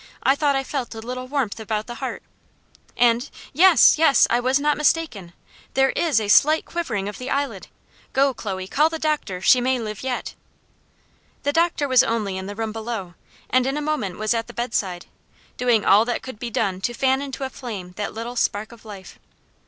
I thought I felt a little warmth about the heart, and yes! yes! I was not mistaken; there is a slight quivering of the eyelid. Go, Chloe! call the doctor! she may live yet!" The doctor was only in the room below, and in a moment was at the bedside, doing all that could be done to fan into a flame that little spark of life.